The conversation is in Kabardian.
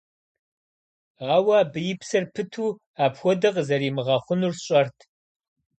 Ауэ абы и псэр пыту апхуэдэ къызэримыгъэхъунур сщӏэрт.